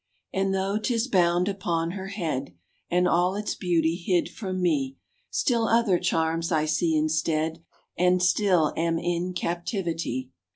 And though 'tis bound upon her head And all its beauty hid from me, Still other charms I see instead, And still am in captivity.